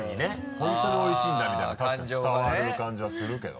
本当においしいんだみたいな確かに伝わる感じはするけど。